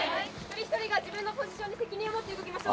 一人一人が自分のポジションに責任を持って動きましょう。